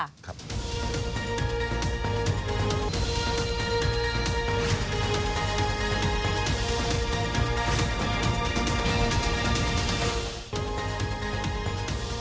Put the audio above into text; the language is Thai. ครับ